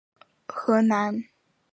河南罗山县人。